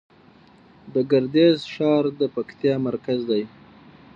د ګردیز ښار د پکتیا مرکز دی